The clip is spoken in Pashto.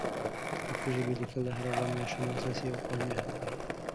د پښتو ژبې لیکل د هر افغان ماشوم اساسي او قانوني حق دی.